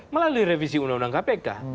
melalui revisi undang undang kpk